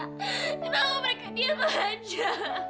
kenapa mereka diam aja